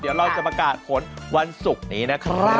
เดี๋ยวเราจะประกาศผลวันศุกร์นี้นะครับ